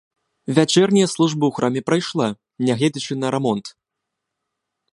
Вячэрняя служба ў храме прайшла, нягледзячы на рамонт.